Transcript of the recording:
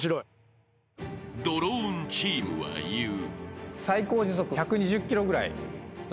［ドローンチームは言う］